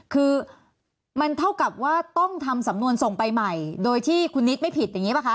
คือมันเท่ากับว่าต้องทำสำนวนส่งไปใหม่โดยที่คุณนิดไม่ผิดอย่างนี้ป่ะคะ